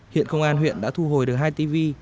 hiện công an huyện đã thu hồi được hai tv